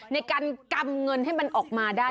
ในการกำเงินให้มันออกมาได้